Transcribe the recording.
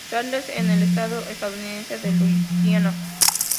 Charles en el estado estadounidense de Luisiana.